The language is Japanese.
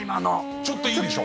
ちょっといいでしょ？